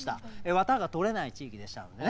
綿が採れない地域でしたのでね。